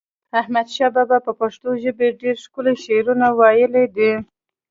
احمد شاه بابا په پښتو ژپه ډیر ښکلی شعرونه وایلی دی